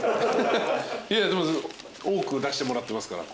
いやでも多く出してもらってますから。